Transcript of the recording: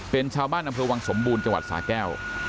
เป็นชาวบ้านอำเภอวังสมบูรณ์จังหวัดสาแก้ว